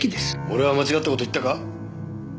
俺は間違った事言ったか？